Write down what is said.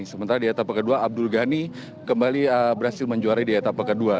sementara di etapa kedua abdul ghani kembali berhasil menjuarai di etapa kedua